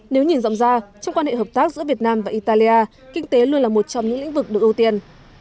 nếu nhìn rộng ra trong quan hệ hợp tác giữa việt nam và italia kinh tế luôn là một trong những lĩnh vực được ưu tiên